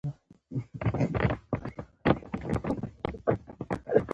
په بانک کې د پیسو ایښودل له غلا مخه نیسي.